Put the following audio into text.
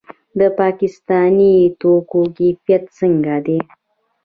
د پاکستاني توکو کیفیت څنګه دی؟